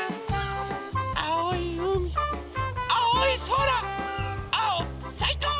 あおいうみあおいそら！あおさいこう！